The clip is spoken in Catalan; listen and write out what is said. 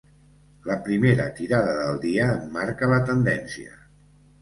La primera tirada del dia en marca la tendència.